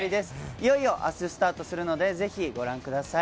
いよいよあすスタートするので、ぜひご覧ください。